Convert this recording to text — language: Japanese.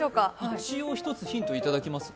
一応、１つヒントいただきますか？